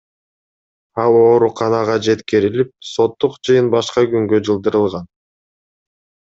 Ал ооруканага жеткирилип, соттук жыйын башка күнгө жылдырылган.